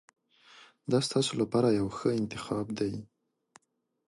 دا ستاسو لپاره یو ښه انتخاب دی.